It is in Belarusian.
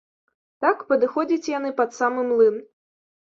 Так падыходзяць яны пад самы млын.